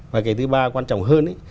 và cái thứ ba quan trọng hơn